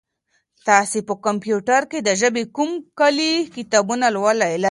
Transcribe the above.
تاسي په کمپیوټر کي د ژبې کوم کلي کتابونه لرئ؟